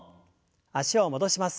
脚を戻します。